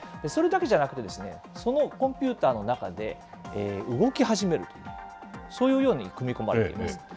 それだけじゃなくて、そのコンピューターの中で、動き始める、そういうように組み込まれています。